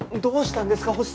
どうしたんですか？